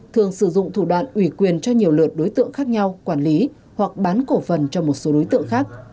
thường sử dụng thủ đoạn ủy quyền cho nhiều lượt đối tượng khác nhau quản lý hoặc bán cổ phần cho một số đối tượng khác